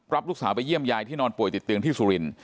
รับลูกสาวไปเยี่ยมยายที่นอนป่วยติดเตียงที่สุรินท